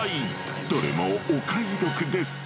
どれもお買い得です。